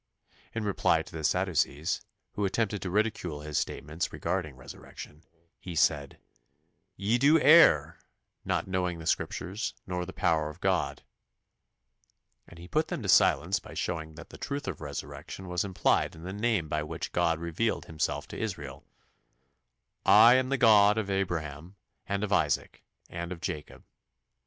" In reply to the Sadducees, who attempted to ridicule His statements regarding resurrection, He said, "Ye do err, not knowing the Scriptures, nor the power of God"; and He put them to silence by showing that the truth of resurrection was implied in the name by which God revealed Himself to Israel, "I am the God of Abraham, and of Isaac, and of Jacob."